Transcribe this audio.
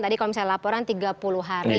tadi kalau misalnya laporan tiga puluh hari